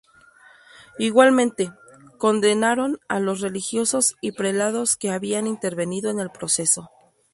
Igualmente, condenaron a los religiosos y prelados que habían intervenido en el proceso.